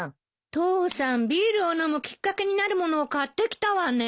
父さんビールを飲むきっかけになる物を買ってきたわね。